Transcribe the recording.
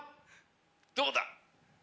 どうだ？